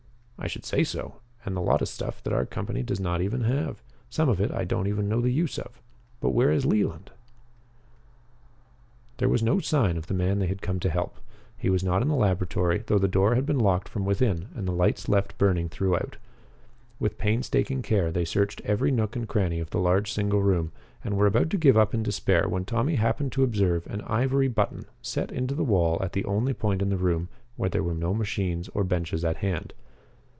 "I should say so. And a lot of stuff that our company does not even have. Some of it I don't know even the use of. But where is Leland?" There was no sign of the man they had come to help. He was not in the laboratory, though the door had been locked from within and the lights left burning throughout. With painstaking care they searched every nook and cranny of the large single room and were about to give up in despair when Tommy happened to observe an ivory button set into the wall at the only point in the room where there were no machines or benches at hand.